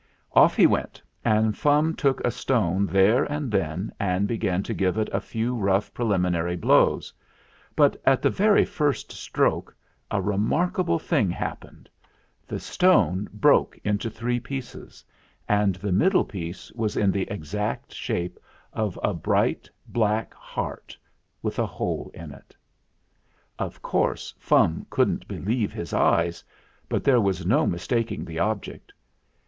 Off he went, and Fum took a stone there and then and began to give it a few rough pre liminary blows. But, at the very first stroke, a remarkable thing happened. The stone 32 THE FLINT HEART broke into three pieces, and the middle piece was in the exact shape of a bright black heart with a hole in it. Of course, Fum couldn't be lieve his eyes. But there was no mistaking the object.